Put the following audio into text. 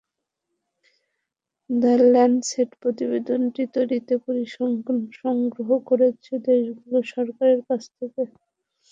The Lancet প্রতিবেদনটি তৈরিতে পরিসংখ্যান সংগ্রহ করেছে দেশগুলোর সরকারের কাছ থেকে।